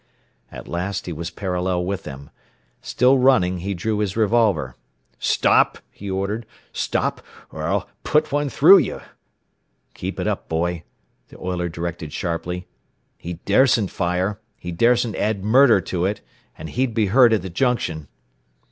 At last he was parallel with them. Still running, he drew his revolver. "Stop!" he ordered. "Stop, or I'll put one through you!" "Keep it up, boy," the oiler directed sharply. "He daresn't fire. He daresn't add murder to it. And he'd be heard at the junction."